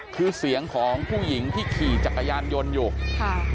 คือเสียงของผู้หญิงที่ขี่จักรยานยนต์อยู่ค่ะ